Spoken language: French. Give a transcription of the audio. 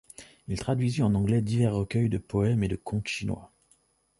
Il traduisit en anglais divers recueils de poèmes et de contes chinois.